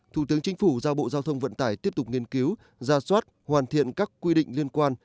thủ tướng chính phủ giao bộ giao thông vận tải tiếp tục nghiên cứu ra soát hoàn thiện các quy định liên quan